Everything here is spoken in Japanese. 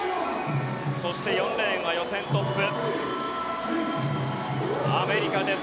そして４レーンは予選トップアメリカです。